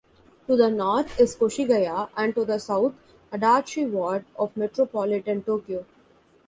To the north is Koshigaya and to the south Adachi Ward of Metropolitan Tokyo.